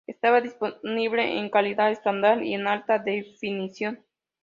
Estaba disponible en calidad estándar y en alta definición.